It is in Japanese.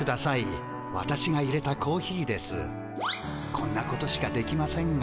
こんなことしかできませんが。